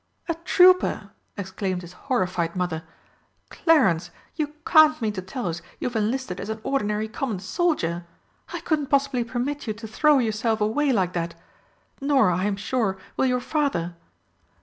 "A trooper!" exclaimed his horrified mother. "Clarence, you can't mean to tell us you've enlisted as an ordinary common soldier! I couldn't possibly permit you to throw yourself away like that, nor, I am sure, will your Father!